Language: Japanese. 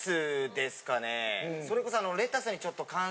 それこそ。